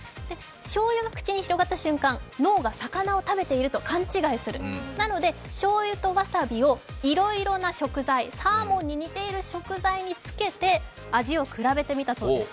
しょうゆが口に広がった瞬間、脳が魚を食べていると勘違いする、なので、しょうゆとわさびをいろいろな食材、サーモンに似ている食材につけて味を比べてみたそうです。